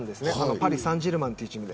パリ・サンジェルマンというチームで。